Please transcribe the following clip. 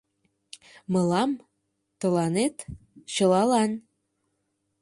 Мылам, тыланет — чылалан.